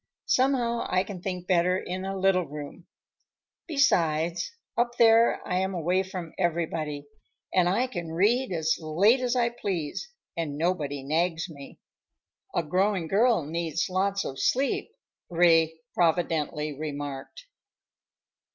Somehow I can think better in a little room. Besides, up there I am away from everybody, and I can read as late as I please and nobody nags me." "A growing girl needs lots of sleep," Ray providently remarked.